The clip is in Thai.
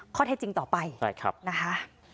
ข้อแท้จริงต่อไปใช่ครับนะคะ